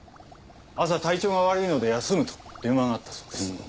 朝「体調が悪いので休む」と電話があったそうです。